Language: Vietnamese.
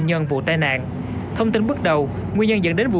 sau bốn năm thí điểm